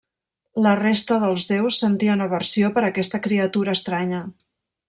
La resta dels déus sentien aversió per aquesta criatura estranya.